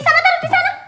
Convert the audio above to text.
salah taruh di sana